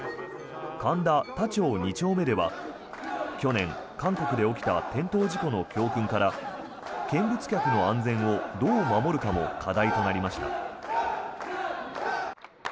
神田多町２丁目では去年、韓国で起きた転倒事故の教訓から見物客の安全をどう守るかも課題となりました。